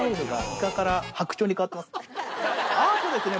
アートですね